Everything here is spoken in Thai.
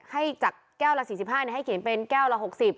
ให้จากแก้วละ๔๕ให้เขียนเป็นแก้วละ๖๐